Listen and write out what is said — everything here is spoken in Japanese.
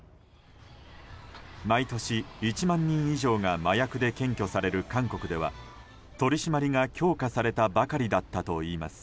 毎年１万人以上が麻薬で検挙される韓国では取り締まりが強化されたばかりだったといいます。